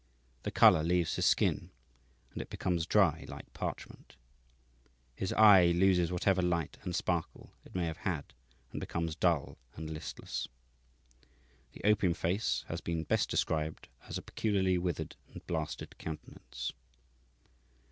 The colour leaves his skin, and it becomes dry, like parchment. His eye loses whatever light and sparkle it may have had, and becomes dull and listless. The opium face has been best described as a "peculiarly withered and blasted countenance."